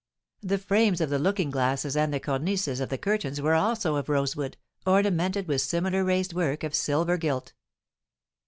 The frames of the looking glasses and the cornices of the curtains were also of rosewood, ornamented with similar raised work of silver gilt.